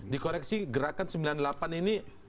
dikoreksi gerakan sembilan puluh delapan ini